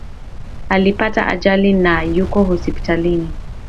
Alipata ajali na yuko hospitalini